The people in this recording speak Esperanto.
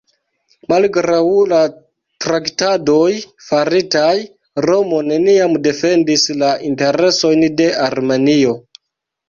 Malgraŭ la traktadoj faritaj, Romo neniam defendis la interesojn de Armenio.